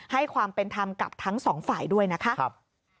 ให้ความเป็นธรรมกับทั้งสองฝ่ายด้วยนะคะ